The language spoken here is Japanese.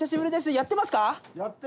やってますか？